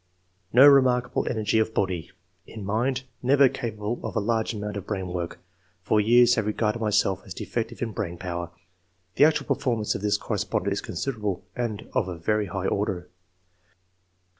"No remarkable energy of body. In mind — Never capable of a large amount of brain work ; for years have regarded myself as defective in brain power. [The actual performance of this correspondent is considerable, and of a very high order.